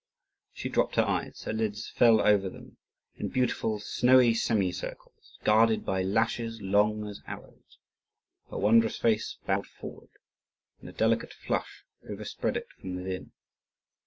She dropped her eyes, her lids fell over them in beautiful, snowy semicircles, guarded by lashes long as arrows; her wondrous face bowed forward, and a delicate flush overspread it from within.